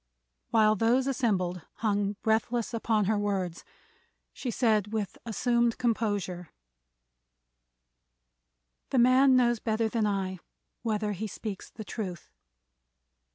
While those assembled hung breathless upon her words she said with assumed composure: "The man knows better than I whether he speaks the truth.